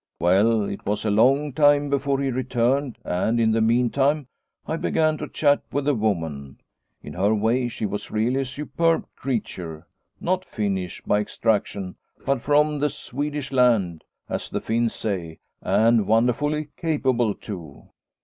Well, it was a long time before he returned and in the meantime I began to chat with the woman. In her way she was really a superb creature, not Finnish by extraction, but from the ' Swedish Land/ as the Finns say, and wonderfully capable too.